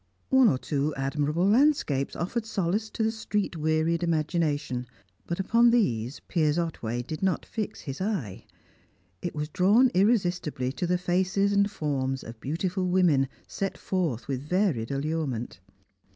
One or two admirable landscapes offered solace to the street wearied imagination, but upon these Piers Otway did not fix his eye; it was drawn irresistibly to the faces and forms of beautiful women set forth with varied allurement.